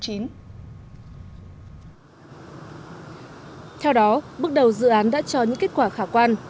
theo đó bước đầu dự án đã cho những kết quả khả quan